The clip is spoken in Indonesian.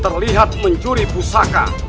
terlihat mencuri pusaka